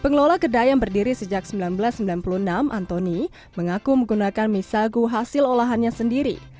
pengelola kedai yang berdiri sejak seribu sembilan ratus sembilan puluh enam antoni mengaku menggunakan mie sagu hasil olahannya sendiri